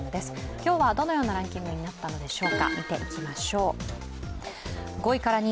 今日はどのようなランキングになったのでしょうか、見ていきましょう。